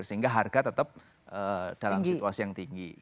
sehingga harga tetap dalam situasi yang tinggi